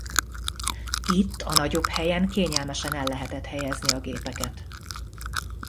Itt a nagyobb helyen kényelmesen el lehetett helyezni a gépeket.